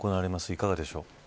いかがでしょう。